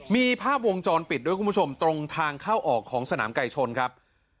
มีภาพวงจรปิดด้วยคุณผู้ชมตรงทางเข้าออกของสนามไก่ชนครับ